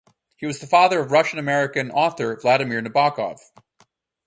He was the father of Russian-American author Vladimir Nabokov.